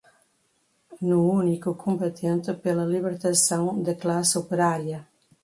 no único combatente pela libertação da classe operária